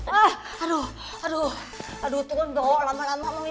aduh aduh aduh gusti